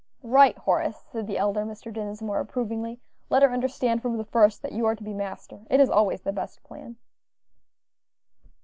"Right, Horace," said the elder Mr. Dinsmore, approvingly, "let her understand from the first that you are to be master; it is always the best plan."